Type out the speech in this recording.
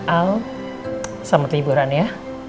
al selamat liburan ya